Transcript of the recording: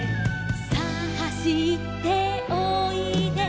「さあ走っておいで」